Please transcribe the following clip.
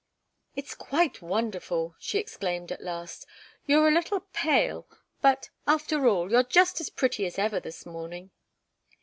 "It's quite wonderful!" she exclaimed at last. "You're a little pale but, after all, you're just as pretty as ever this morning."